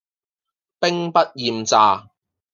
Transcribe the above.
兵不厭詐